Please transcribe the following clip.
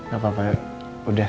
gak apa apa yaudah